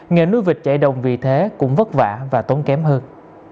nghề nuôi vịt chạy đồng vì thế cũng vất vả và tốn kém hơn